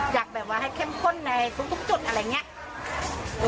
อยากแบบว่าให้เข้มข้นในทุกจุดอะไรอย่างนี้